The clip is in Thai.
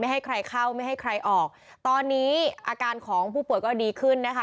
ให้ใครเข้าไม่ให้ใครออกตอนนี้อาการของผู้ป่วยก็ดีขึ้นนะคะ